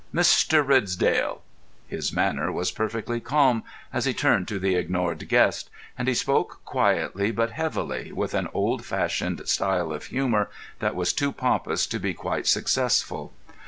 "Mr. Ridsdale!" His manner was perfectly calm as he turned to the ignored guest, and he spoke quietly but heavily, with an old fashioned style of humour that was too pompous to be quite successful.